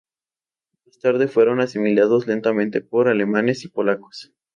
Más tarde fueron asimilados lentamente por alemanes y polacos.